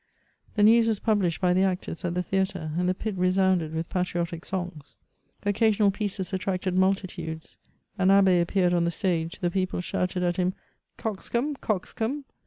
The news was published by the actors at the theatre ; and the pit resounded with patriotic songs. Occasional pieces attracted multitudes ; an abbe appeared on the stage, the people shouted at him, " Coxcomb ! coxcomb